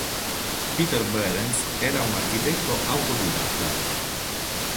Peter Behrens era un architetto autodidatta.